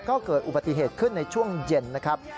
ก็เกิดอุบัติเหตุขึ้นในช่วงเย็นนะครับ